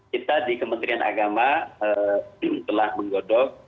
kita di kementerian agama telah menggodok